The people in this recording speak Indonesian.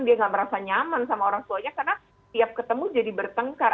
dia nggak merasa nyaman sama orang tuanya karena tiap ketemu jadi bertengkar